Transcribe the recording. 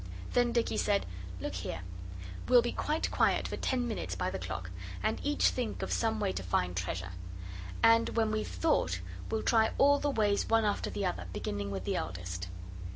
Then Dicky said, 'Look here. We'll be quite quiet for ten minutes by the clock and each think of some way to find treasure. And when we've thought we'll try all the ways one after the other, beginning with the eldest.